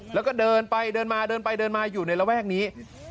แล้วก็เดินไปเดินมาเดินไปเดินมาอยู่ในระแวกนี้